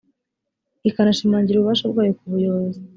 ikanashimangira ububasha bwayo ku buyobozi